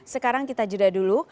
sekarang kita jeda dulu